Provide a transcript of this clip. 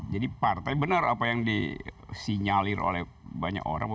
jadi partai bener apa yang disinyalir oleh banyak orang